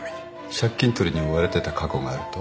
借金取りに追われてた過去があると？